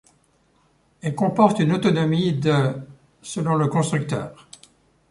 Elle comporte une autonomie de selon le constructeur.